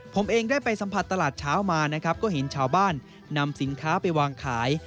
ผมเองได้ไปสัมผัสตลาดเช้ามานะครับก็เห็นชาวบ้านนำสินค้าไปวางขาย